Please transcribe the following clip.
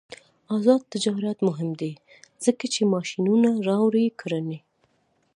آزاد تجارت مهم دی ځکه چې ماشینونه راوړي کرنې.